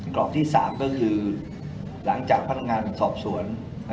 กรอบที่๓ก็คือหลังจากพนักงานสอบสวน